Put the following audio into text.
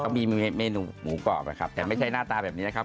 มีเมนูหมูกรอบนะครับแต่ไม่ใช่หน้าตาแบบนี้นะครับ